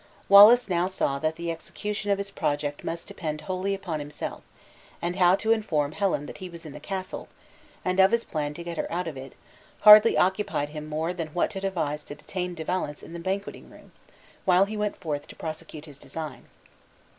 Wallace now saw that the execution of his project must depend wholly upon himself; and how to inform Helen that he was in the castle, and of his plan to get her out of it, hardly occupied him more than what to devise to detain De Valence in the banqueting room, while he went forth to prosecute his design.